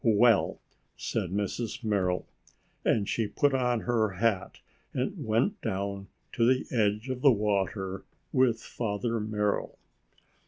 "Well!" said Mrs. Merrill, and she put on her hat and went down to the edge of the water with Father Merrill.